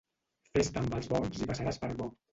Fes-te amb els bons i passaràs per bo.